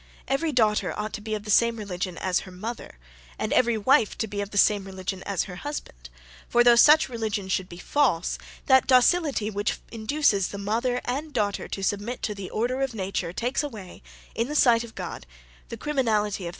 'Every daughter ought to be of the same religion as her mother, and every wife to be of the same religion as her husband: for, though such religion should be false, that docility which induces the mother and daughter to submit to the order of nature, takes away, in the sight of God, the criminality of their error'.